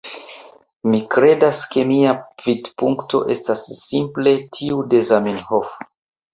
Mi kredas ke mia vidpunkto estas simple tiu de Zamenhof.